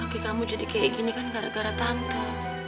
kaki kamu jadi kayak gini kan gara gara tante